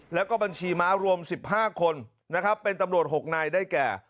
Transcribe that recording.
แล้วก็บัญชีม้ารวม๑๕คนนะครับเป็นตำรวจ๖นายได้แก่